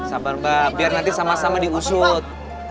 sabar mbak biar nanti sama sama diusut